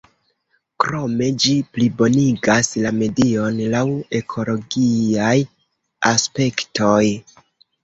Krome ĝi plibonigas la medion laŭ ekologiaj aspektoj.